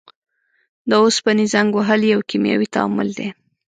د اوسپنې زنګ وهل یو کیمیاوي تعامل دی.